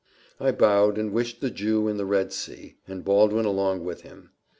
I bowed, and wished the Jew in the Red Sea, and Baldwin along with him.